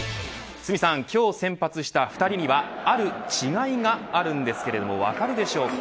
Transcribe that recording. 堤さん、今日先発した２人にはある違いがあるんですけれども分かるでしょうか。